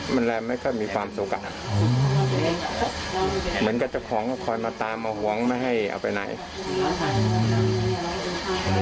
มันแรงไม่ค่อยมีความสุขอ่ะเหมือนกับเจ้าของก็คอยมาตามมาหวงไม่ให้เอาไปไหน